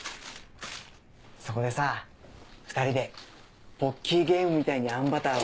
そこでさ２人でポッキーゲームみたいにあんバターを。